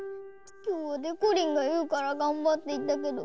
きょうはでこりんがいうからがんばっていったけど。